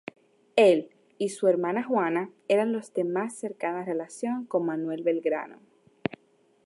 Él y su hermana Juana eran los de más cercana relación con Manuel Belgrano.